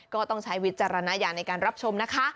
ก็ต้องใช้วิจารณญาณในการรับชมนะคะ